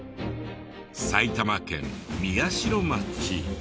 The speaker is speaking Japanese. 埼玉県宮代町。